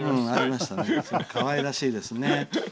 かわいらしいですね。